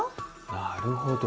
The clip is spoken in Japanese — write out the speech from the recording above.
なるほど。